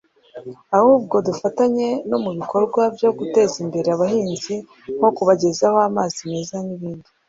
ahubwo dufatanya no mu bikorwa byo guteza imbere abahinzi nko kubagezaho amazi meza n’ibindi